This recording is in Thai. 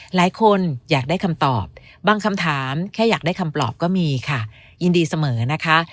หลายคนอยากได้คำตอบบางคำถามแค่อยากได้คำปลอบก็มีค่ะยินดีเสมอนะคะ